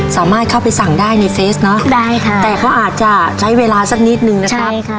สามารถเข้าไปสั่งได้ในเฟซเนอะได้ค่ะแต่เขาอาจจะใช้เวลาสักนิดนึงนะครับใช่ค่ะ